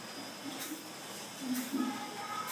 Desde entonces ha expuesto en Nueva York.